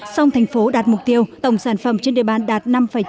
song thành phố đạt mục tiêu tổng sản phẩm trên địa bàn đạt năm chín